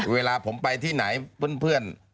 เวลาผมไปที่ไหนเพื่อน